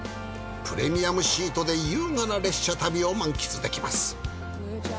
プレミアムシートで優雅な列車旅を満喫できます。